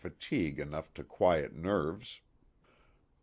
fatigue enough to quiet nerves.